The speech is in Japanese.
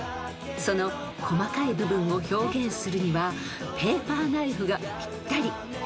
［その細かい部分も表現するにはペーパーナイフがぴったり］